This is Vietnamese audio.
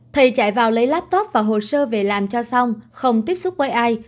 thầy chạy vào lấy laptop và hồ sơ về làm cho xong không tiếp xúc với ai